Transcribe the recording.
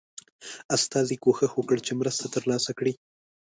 استازي کوښښ وکړ چې مرسته ترلاسه کړي.